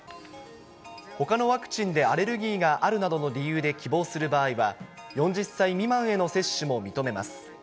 ほかのワクチンでアレルギーがあるなどの理由で希望する場合は、４０歳未満への接種も認めます。